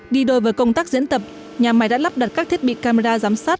đi đôi với công tác diễn tập nhà máy đã lắp đặt các thiết bị camera giám sát